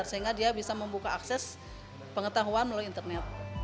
sehingga dia bisa membuka akses pengetahuan melalui internet